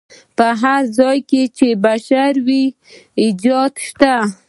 په هر ځای کې چې بشر وي ایجاد شته.